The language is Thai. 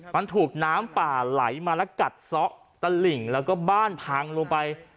มันถูกน้ำป่าไหลมาและกัดซะตะหลิ่งแล้วก็บ้านพังลงไป